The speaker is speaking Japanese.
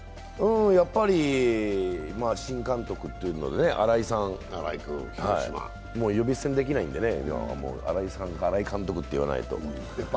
やっぱり新監督というので新井さん、もう呼び捨てにできないのでね、新井さん、新井監督と言わないと。